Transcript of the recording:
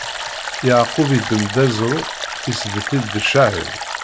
Yeɛqub iddem-d aẓru, isbedd-it d ccahed.